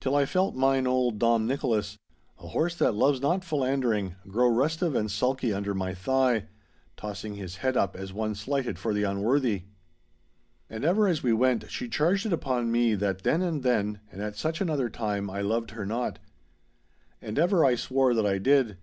Till I felt mine old Dom Nicholas, a horse that loves not philandering, grow restive and sulky under my thigh, tossing his head up as one slighted for the unworthy. And ever as we went she charged it upon me that then and then, and at such another time, I loved her not. And ever I swore that I did.